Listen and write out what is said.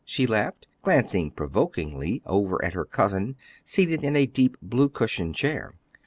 she laughed, glancing provokingly over at her cousin seated in a deep blue cushioned chair.